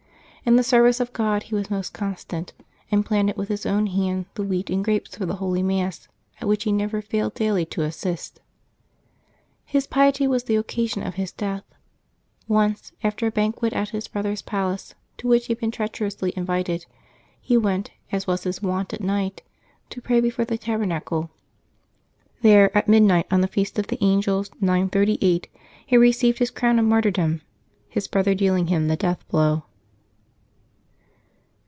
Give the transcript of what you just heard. In the service of God he was most constant, and planted with his own hands the wheat and grapes for the Holy Mass, at which he never failed daily to assist. His piety was the occasion of his death. Once, after a banquet at his brother's pal ace, to which he had been treacherously invited, he went, as was his wont at night, to pray before the tabernacle. There, at midnight on the feast of the Angels, 938, he received his crown of martyrdom, his brother dealing him the death blow.